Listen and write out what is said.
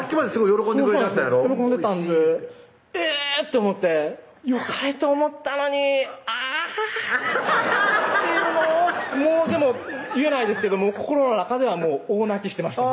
喜んでたんでえぇ！って思ってよかれと思ったのにあぁっていうもうでも言えないですけども心の中では大泣きしてました